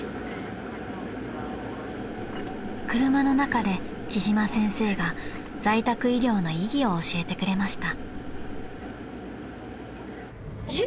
［車の中で貴島先生が在宅医療の意義を教えてくれました］